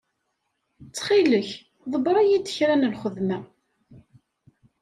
Ttxil-k ḍebbeṛ-iyi-d kra n lxedma.